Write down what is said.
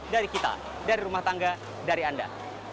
dari kita dari rumah tangga dari anda